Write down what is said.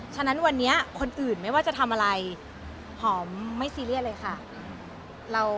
ฉะนั้นวันนี้คนอื่นไม่ว่าจะทำอะไรหอมไม่ซีเรียสเลยค่ะ